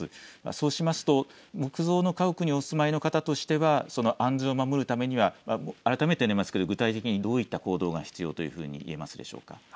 そうしますと木造の家屋にお住まいの方としては安全を守るためには改めてになりますが具体的にどういった行動が必要と言えますでしょうか。